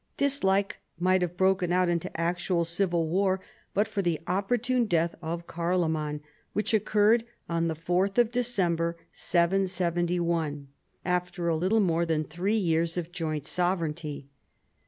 Dislike might have broken out into actual civil war but for the opportune death of Carloman, which occurred on the 4th of Decem ber 771, after a little more than three years of joint sovereignty.